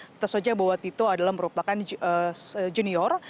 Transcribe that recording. tetap saja bahwa tito adalah merupakan junior